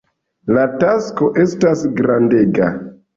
La tasko estas grandega.